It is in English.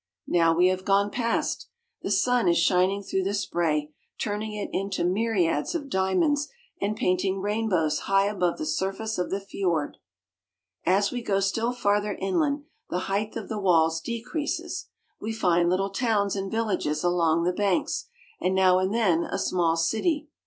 Now we have gone past. The sun is shining through the spray, turning it into myriads of dia monds and painting rainbows high above the surface of the fiord. As we go still farther inland the height of the walls decreases. We find little towns and villages along the banks, and now and then a small city.